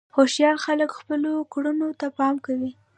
هوښیار خلک خپلو کړنو ته پام کوي.